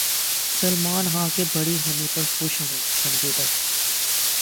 سلمان خان کے بری ہونے پر خوش ہوں سنجے دت